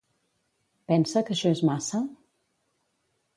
Pensa que això és massa?